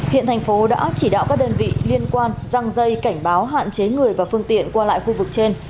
hiện thành phố đã chỉ đạo các đơn vị liên quan răng dây cảnh báo hạn chế người và phương tiện qua lại khu vực trên